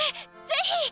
ぜひ！